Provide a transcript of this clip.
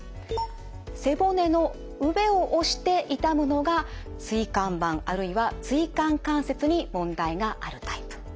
背骨の上を押して痛むのが椎間板あるいは椎間関節に問題があるタイプ。